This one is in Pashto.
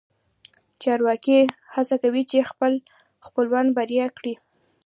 چارواکي هڅه کوي چې خپل خپلوان بریالي کړي